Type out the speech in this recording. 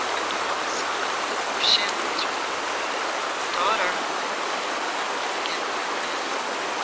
"I promise," said I. "You sha'n't lose your home." "Daughter!" mother called again, and I went in.